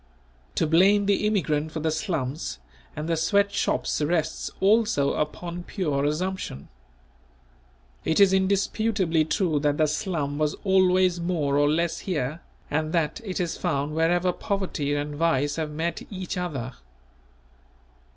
To blame the immigrant for the slums and the sweat shops rests also upon pure assumption. It is indisputably true that the "slum" was always more or less here and that it is found wherever poverty and vice have met each other.